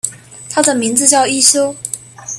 他的名字叫一休。